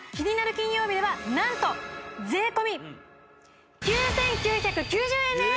金曜日では何と税込９９９０円です！